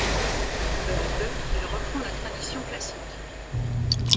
Peu à peu, il reprend la tradition classique.